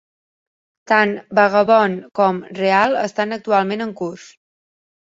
Tant "Vagabond" com "Real" estan actualment en curs.